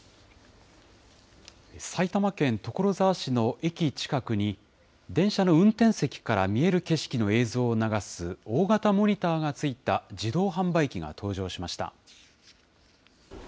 埼玉県所沢市の駅近くに、電車の運転席から見える景色の映像を流す大型モニターがついた自動販売機が登場しました。